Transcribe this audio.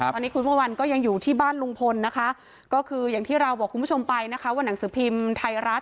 ตอนนี้คุณพระวันก็ยังอยู่ที่บ้านลุงพลนะคะก็คืออย่างที่เราบอกคุณผู้ชมไปนะคะว่าหนังสือพิมพ์ไทยรัฐ